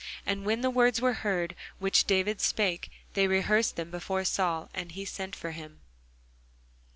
And when the words were heard which David spake, they rehearsed them before Saul: and he sent for him.